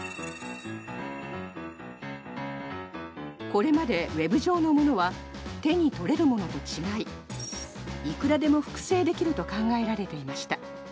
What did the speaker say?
これまでウェブ上のものは手に取れるものと違いいくらでも複製できると考えられていました。